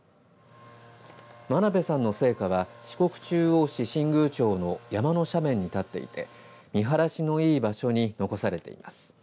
真鍋さんの生家は四国中央市新宮町の山の斜面に建っていて見晴らしのいい場所に残されています。